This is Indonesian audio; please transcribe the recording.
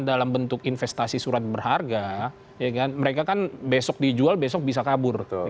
dalam bentuk investasi surat berharga mereka kan besok dijual besok bisa kabur